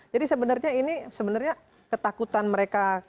jadi sebenarnya ini sebenarnya ketakutan mereka